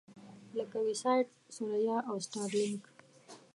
لکه وي-ساټ، ثریا او سټارلېنک.